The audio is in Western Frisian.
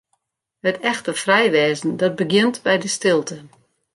It echte frij wêzen, dat begjint by de stilte.